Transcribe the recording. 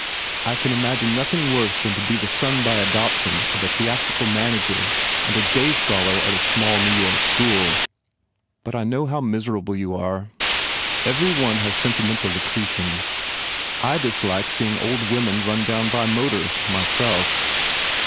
I can imagine nothing worse than to be the son by adoption of a theatrical manager and a day scholar at a small New York school. But I know how miserable you are. Every one has sentimental accretions. I dislike seeing old women run down by motors, myself.